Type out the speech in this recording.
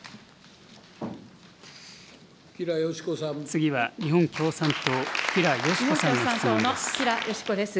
次は日本共産党、吉良よし子さんの質問です。